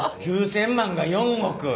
９，０００万が４億。